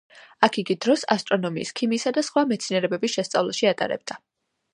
აქ იგი დროს ასტრონომიის, ქიმიისა და სხვა მეცნიერებების შესწავლაში ატარებდა.